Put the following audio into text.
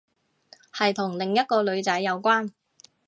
係同另一個女仔有關